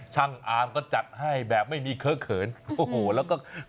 ช่างอาร์มก็จัดให้แบบไม่มีเค้อเขินโอ้โหแล้วก็